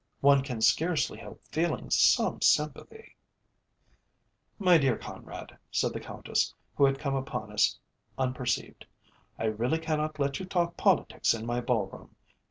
"One can scarcely help feeling some sympathy " "My dear Conrad," said the Countess, who had come upon us unperceived, "I really cannot let you talk politics in my ball room.